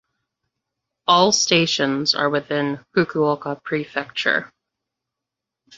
All stations are within Fukuoka Prefecture.